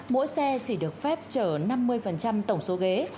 mỗi xe chỉ được phép chở năm mươi tổng số ghế